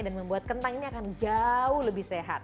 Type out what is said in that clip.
dan membuat kentang ini akan jauh lebih sehat